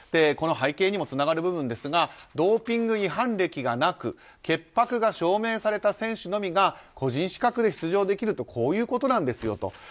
この背景にもつながる部分ですがドーピング違反歴がなく潔白が証明された選手のみが個人資格で出場できるとこういうことなんですよと。